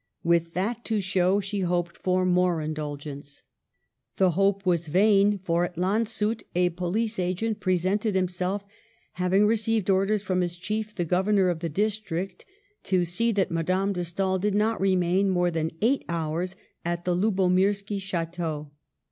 With that to show, she hoped for more indulgence. The hope was vain, for at Lanzut a police agent presented himself, having received orders from his chief, the Governor of the district, to see that Madame de Stael did not remain more than eight hours at the Lubomirski's Chiteau.